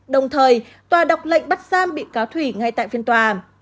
đồng thời tòa đọc lệnh bắt giam bị cáo thủy ngay tại phiên tòa